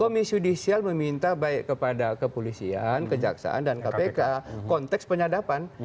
komisi yudisial meminta baik kepada kepolisian kejaksaan dan kpk konteks penyadapan